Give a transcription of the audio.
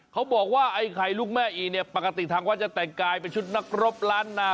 เขาบอกว่าไอ้ไข่ลูกแม่อีเนี่ยปกติทางวัดจะแต่งกายเป็นชุดนักรบล้านนา